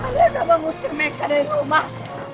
aida sama ngusir meika dari rumah